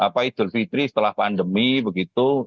apa idul fitri setelah pandemi begitu